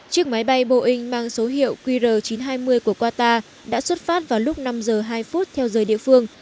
chiếc máy bay boeing mang số hiệu qr chín trăm hai mươi của qatar đã xuất phát vào lúc năm giờ hai phút theo giờ địa phương